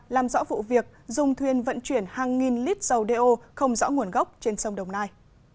làm rõ vụ việc dùng thuyền vận chuyển hàng nghìn lít dầu đeo không rõ nguồn gốc trên sông đồng nai